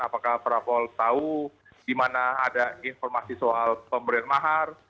apakah prabowo tahu di mana ada informasi soal pemberian mahar